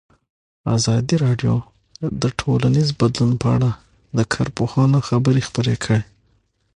ازادي راډیو د ټولنیز بدلون په اړه د کارپوهانو خبرې خپرې کړي.